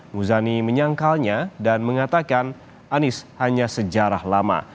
muzani menyangkalnya dan mengatakan anies hanya sejarah lama